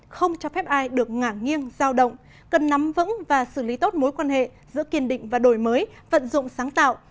không cho phép ai được ngả nghiêng giao động cần nắm vững và xử lý tốt mối quan hệ giữa kiên định và đổi mới vận dụng sáng tạo